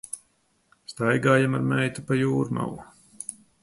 Staigājam ar meitu pa Jūrmalu.